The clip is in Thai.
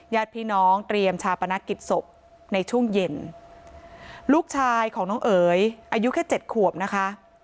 ญาติพี่น้องเตรียมชาปนกิจศพในช่วงเย็นลูกชายของน้องเอ๋ยอายุแค่เจ็ดขวบนะคะ